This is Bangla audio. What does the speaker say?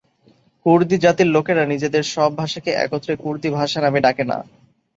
কুর্দি জাতির লোকেরা নিজেদের সব ভাষাকে একত্রে কুর্দি ভাষা নামে ডাকে না।